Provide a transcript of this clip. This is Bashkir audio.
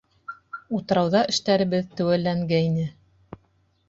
Утрауҙа эштәребеҙ теүәлләнгәйне.